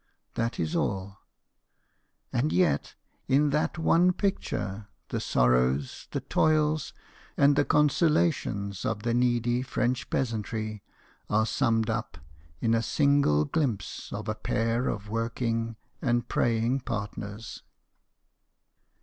That is all ; and yet in that one picture the sorrows, the toils, and the consolations of the needy French peasantry are summed up in a single glimpse of a pair of working and praying partners.